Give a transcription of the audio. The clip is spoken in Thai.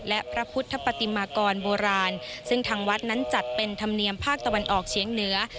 และพระพุทธปฏิมากรโบราณซึ่งทางวัดนั้นจัดเป็นธรรมเนียมภาคตะวันออกเฉียงเหนือ